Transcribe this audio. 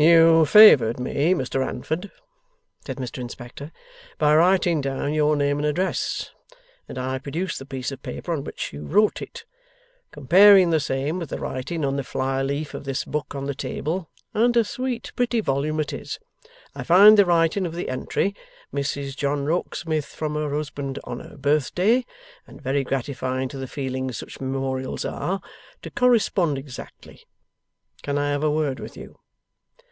'You favoured me, Mr Handford,' said Mr Inspector, 'by writing down your name and address, and I produce the piece of paper on which you wrote it. Comparing the same with the writing on the fly leaf of this book on the table and a sweet pretty volume it is I find the writing of the entry, "Mrs John Rokesmith. From her husband on her birthday" and very gratifying to the feelings such memorials are to correspond exactly. Can I have a word with you?